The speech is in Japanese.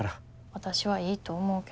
わたしはいいと思うけど。